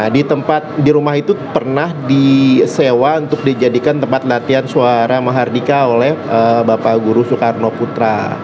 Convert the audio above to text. di tempat di rumah itu pernah disewa untuk dijadikan tempat latihan suara mahardika oleh bapak guru soekarno putra